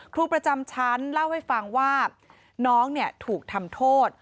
ครูประจำชั้นเล่าให้ฟังว่าน้องถูกทำโทษ